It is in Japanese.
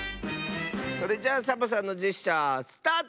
それじゃあサボさんのジェスチャースタート！